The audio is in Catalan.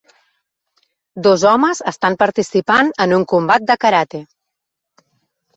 Dos homes estan participant en un combat de karate.